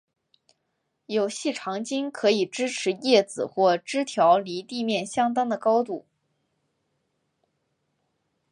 有细长茎可以支持叶子或枝条离地面相当的高度。